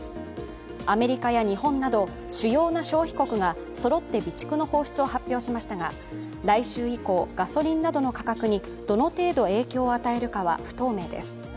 アメリカや日本など、主要な消費国がそろって備蓄の放出を発表しましたが来週以降、ガソリンなどの価格にどの程度影響を与えるかは不透明です。